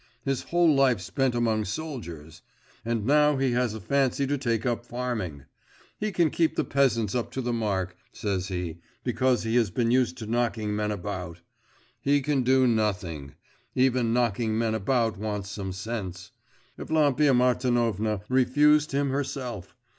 His whole life spent among soldiers and now he has a fancy to take up farming. He can keep the peasants up to the mark, says he, because he's been used to knocking men about. He can do nothing; even knocking men about wants some sense. Evlampia Martinovna refused him herself.